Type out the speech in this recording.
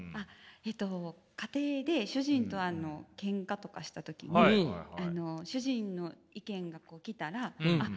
家庭で主人とケンカとかした時に主人の意見が来たらあっ